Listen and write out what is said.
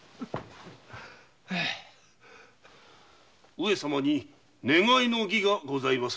上様に願いの儀がございます。